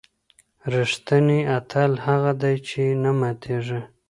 ریښتینی اتل هغه دی چې نه ماتېږي.